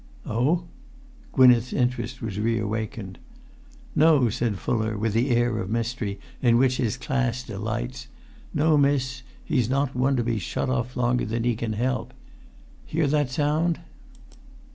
"Oh?" Gwynneth's interest was re awakened. "No," said Fuller, with the air of mystery in which his class delights; "no, miss, he's not one to be shut off longer than he can help. Hear that sound?"